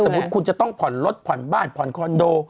มุติคุณจะต้องผ่อนรถผ่อนบ้านผ่อนคอนโด